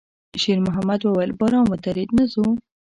شېرمحمد وويل: «باران ودرېد، نه ځو؟»